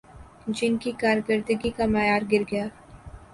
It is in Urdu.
جن کی کارکردگی کا معیار گرگیا